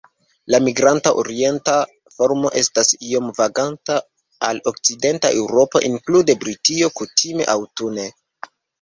La migranta orienta formo estas iom vaganta al okcidenta Eŭropo, inklude Britio, kutime aŭtune.